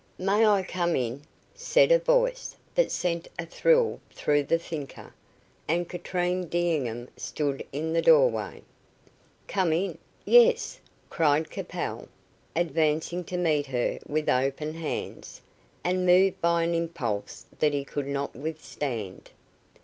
"May I come in," said a voice that sent a thrill through the thinker, and Katrine D'Enghien stood in the doorway. "Come in? Yes," cried Capel, advancing to meet her with open hands, and moved by an impulse that he could not withstand.